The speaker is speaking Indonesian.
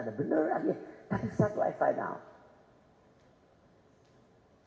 tapi satu i find out